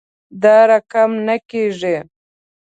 دا رقم نه کیږي